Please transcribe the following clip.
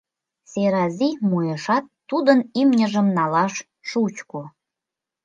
Серази муэшат, тудын имньыжым налаш шучко.